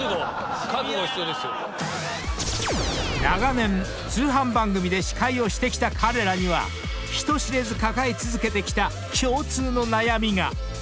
［長年通販番組で司会をしてきた彼らには人知れず抱え続けてきた共通の悩みが！］